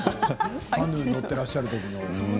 カヌーに乗ってらっしゃるときの。